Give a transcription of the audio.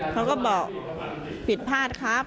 เขาก็บอกผิดพลาดครับ